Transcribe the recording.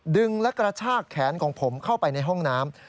ดึงและกระชากแขนของผมเข้าไปในห้องน้ำ